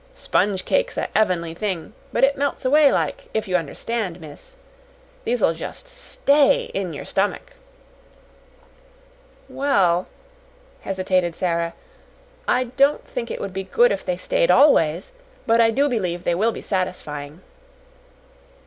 Sponge cake's a 'evenly thing, but it melts away like if you understand, miss. These'll just STAY in yer stummick." "Well," hesitated Sara, "I don't think it would be good if they stayed always, but I do believe they will be satisfying."